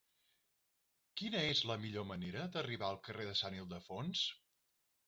Quina és la millor manera d'arribar al carrer de Sant Ildefons?